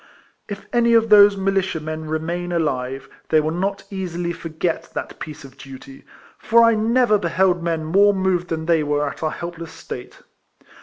If any of those militia men remain alive, they will not easily forget that piece of duty ; for I never beheld men more moved than they were at our helpless KIFLEMAN HAERIS. 261 state.